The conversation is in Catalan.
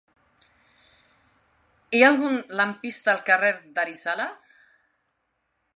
Hi ha algun lampista al carrer d'Arizala?